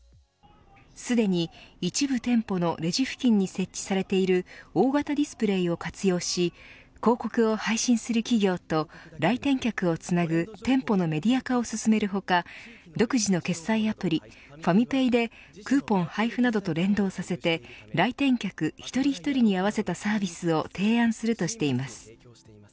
すでに一部店舗のレジ付近に設置されている大型ディスプレーを活用し広告を配信する企業と来店客をつなぐ店舗のメディア化を進める他独自の決済アプリ、ファミペイでクーポン配布などと連動させて来店客一人一人に合わせたサービスを提案するとしています。